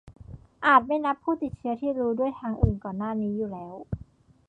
- อาจไม่นับผู้ติดเชื้อที่รู้ด้วยทางอื่นก่อนหน้านี้อยู่แล้ว